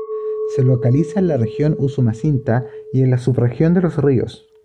Se localiza en la región Usumacinta y en la subregión de Los Ríos.